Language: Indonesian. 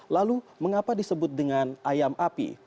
lalu mengapa disebut dengan ayam api